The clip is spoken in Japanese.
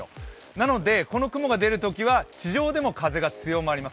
なのでこの雲が出るときは地上でも風が強まります。